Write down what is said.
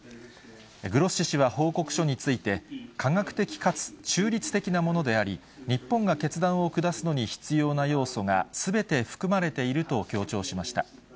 グロッシ氏は、報告書について、科学的かつ中立的なものであり、日本が決断を下すのに必要な要素がすべて含まれていると強調しました。